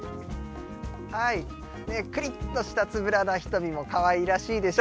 くりっとしたつぶらな瞳もかわいらしいでしょ？